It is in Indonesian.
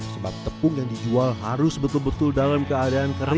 sebab tepung yang dijual harus betul betul dalam keadaan kering